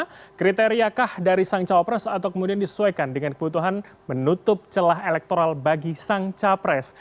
bagaimana kriteriakah dari sang cawapres atau kemudian disesuaikan dengan kebutuhan menutup celah elektoral bagi sang capres